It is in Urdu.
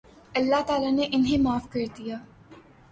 اللہ تعالیٰ نے انھیں معاف کر دیا